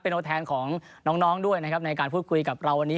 เป็นโทษแทนของน้องด้วยในการพูดคุยกับเราวันนี้